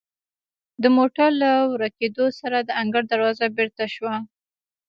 د موټر له ورو کیدو سره د انګړ دروازه بیرته شوه.